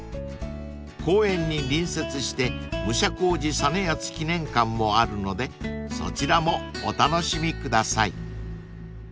［公園に隣接して武者小路実篤記念館もあるのでそちらもお楽しみください］